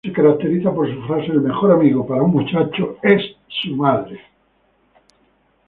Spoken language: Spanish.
Se caracteriza por su frase: ""El mejor amigo para un muchacho es su madre"".